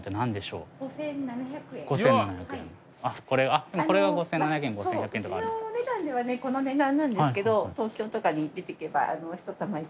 うちのお値段ではこの値段なんですけど東京とかに出ていけば。